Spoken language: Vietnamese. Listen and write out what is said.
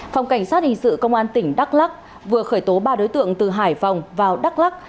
phòng cảnh sát hình sự công an tỉnh đắk lắc vừa khởi tố ba đối tượng từ hải phòng vào đắk lắc